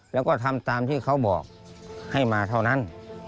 แล้วก็ทำตามที่เขาบอกให้มาเท่านั้น